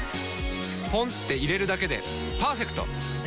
ポンって入れるだけでパーフェクト！